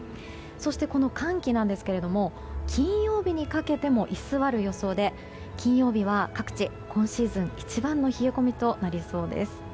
そしてこの寒気ですが金曜日にかけても居座る予想で金曜日は各地今シーズン一番の冷え込みとなりそうです。